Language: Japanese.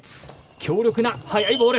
強力な速いボール。